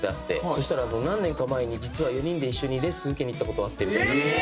そしたら「何年か前に実は４人で一緒にレッスン受けに行った事あって」みたいな。